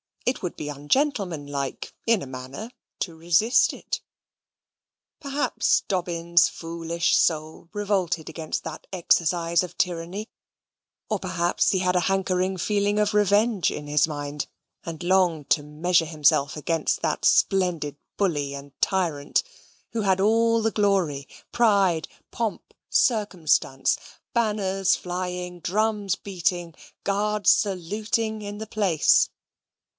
It would be ungentlemanlike (in a manner) to resist it. Perhaps Dobbin's foolish soul revolted against that exercise of tyranny; or perhaps he had a hankering feeling of revenge in his mind, and longed to measure himself against that splendid bully and tyrant, who had all the glory, pride, pomp, circumstance, banners flying, drums beating, guards saluting, in the place.